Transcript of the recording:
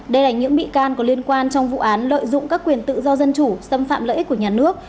đây là những bị can có liên quan trong vụ án lợi dụng các quyền tự do dân chủ xâm phạm lợi ích của nhà nước